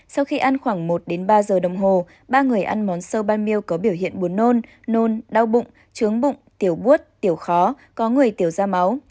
sau khi ăn khoảng một ba giờ đồng hồ ba người ăn món sâu ban miêu có biểu hiện buồn nôn nôn đau bụng trướng bụng tiểu buốt tiểu khó có người tiểu da máu